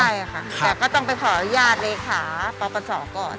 ใช่ค่ะแต่ก็ต้องไปขออนุญาตเลขาปศก่อน